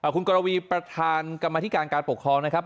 คุณกรวีประธานกรรมธิการการปกครองนะครับ